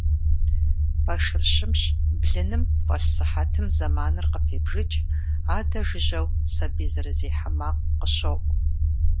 Пэшыр щымщ, блыным фӏэлъ сыхьэтым зэманыр къыпебжыкӏ, адэ жыжьэу сэбий зэрызехьэ макъ къыщоӏу.